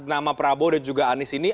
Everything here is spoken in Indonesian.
nama prabowo dan juga anies ini